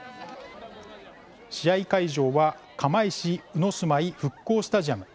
試合会場は釜石鵜住居復興スタジアム。